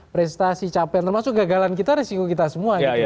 prestasi capai termasuk gagalan kita risiko kita semua